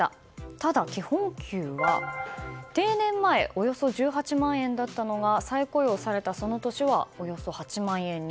ただ、基本給は定年前およそ１８万円だったのが再雇用されたその年はおよそ８万円に。